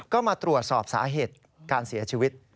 ก็มาตรวจสอบสาเหตุการเสียชีวิต